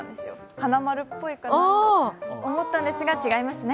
花丸っぽいかなと思ったんですが違いますね。